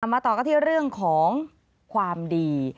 มาต่อกันที่เรื่องของความดี